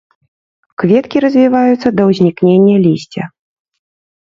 Кветкі развіваюцца да ўзнікнення лісця.